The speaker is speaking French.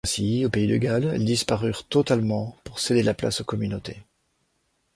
Ainsi, au Pays de Galles, elles disparurent totalement pour céder la place aux communautés.